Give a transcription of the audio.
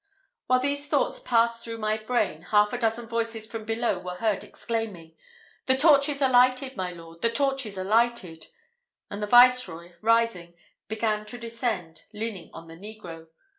While these thoughts passed through my brain, half a dozen voices from below were heard exclaiming, "The torches are lighted, my lord! the torches are lighted!" and the Viceroy, rising, began to descend, leaning on the negro.